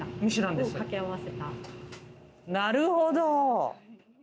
なるほど。